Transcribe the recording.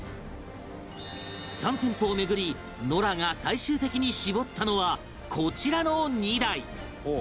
３店舗を巡りノラが最終的に絞ったのはこちらの２台